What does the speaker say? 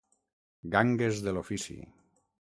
Gangues de l'ofici.